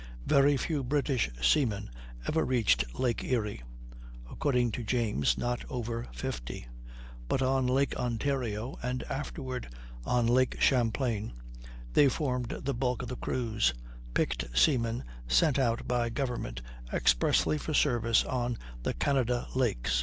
Very few British seamen ever reached Lake Erie (according to James, not over fifty); but on Lake Ontario, and afterward on Lake Champlain, they formed the bulk of the crews, "picked seamen, sent out by government expressly for service on the Canada lakes."